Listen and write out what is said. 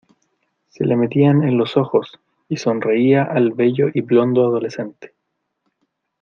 se le metían en los ojos, y sonreía al bello y blondo adolescente.